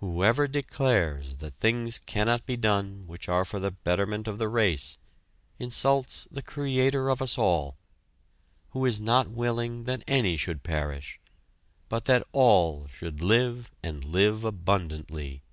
Whoever declares that things cannot be done which are for the betterment of the race, insults the Creator of us all, who is not willing that any should perish, but that all should live and live abundantly.